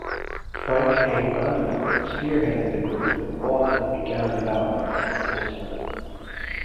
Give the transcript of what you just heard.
Frank A. Vanderlip spearheaded a group that bought and began development of the peninsula.